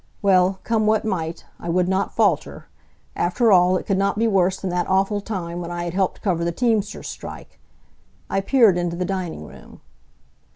Well, come what might, I would not falter. After all, it could not be worse than that awful time when I had helped cover the teamsters' strike. I peered into the dining room.